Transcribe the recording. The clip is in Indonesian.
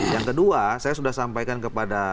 yang kedua saya sudah sampaikan kepada